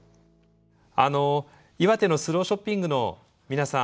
あの岩手のスローショッピングの皆さん